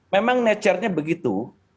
memang nature nya begitu